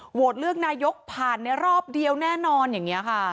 โหวตเลือกนายกผ่านในรอบเดียวแน่นอนอย่างนี้ค่ะ